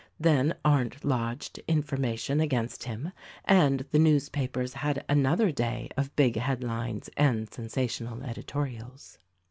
Then Arndt lodged information against him, and the newspapers had another day of big head lines and sensational editorials.